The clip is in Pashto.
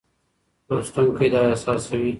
لوستونکی دا احساسوي.